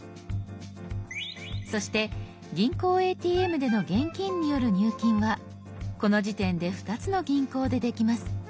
そして「銀行ＡＴＭ」での現金による入金はこの時点で２つの銀行でできます。